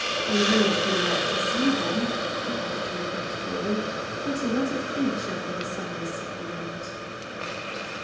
I mayn't be alive to see them," he added regretfully, "but what a feature for the Sunday supplement!"